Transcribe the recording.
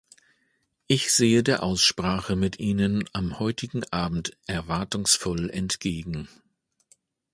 Ich sehe der Aussprache mit Ihnen am heutigen Abend erwartungsvoll entgegen.